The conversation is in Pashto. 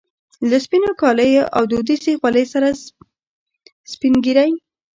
له سپینو کاليو او دودیزې خولۍ سره سپینږیری.